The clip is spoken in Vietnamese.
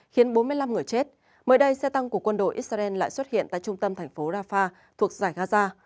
khiến bốn mươi năm người chết mới đây xe tăng của quân đội israel lại xuất hiện tại trung tâm thành phố rafah thuộc giải gaza